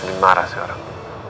andin marah sih orang